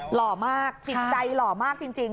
หล่อมากจิตใจหล่อมากจริง